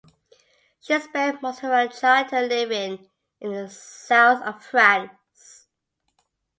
She spent most of her childhood living in the South of France.